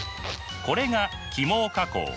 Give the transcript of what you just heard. これが起毛加工。